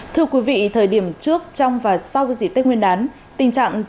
thưa quý vị thời điểm trước trong và sau dị tích nguyên đán